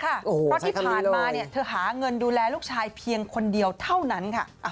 เพราะที่ผ่านมาเธอหาเงินดูแลลูกชายเพียงคนเดียวเท่านั้นค่ะ